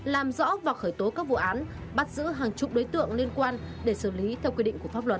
làm rõ và khởi tố các vụ án bắt giữ hàng chục đối tượng liên quan để xử lý theo quy định của pháp luật